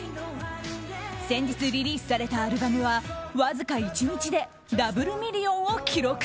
先日リリースされたアルバムはわずか１日でダブルミリオンを記録。